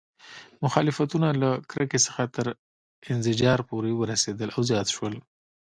مخالفتونه له کرکې څخه تر انزجار پورې ورسېدل او زیات شول.